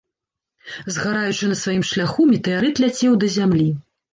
Згараючы на сваім шляху, метэарыт ляцеў да зямлі.